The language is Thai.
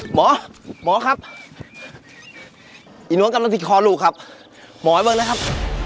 หมอหมอครับอีน้องกำลังทิกคอหลูกครับหมอให้บอกเลยครับ